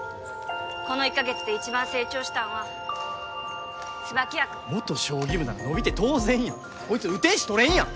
この１カ月で一番成長したんは椿谷くん元将棋部なら伸びて当然やんこいつ打てんし捕れんやん